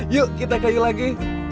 yuk kita kayu lagi